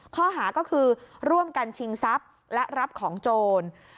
ข้อหาก็คือร่วมกันชิงทรัพย์และรับของโจร